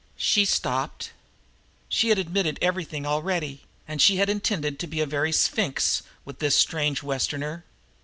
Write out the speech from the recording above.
She stopped. She had admitted everything already, and she had intended to be a very sphinx with this strange Westerner.